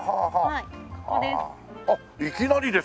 ここです。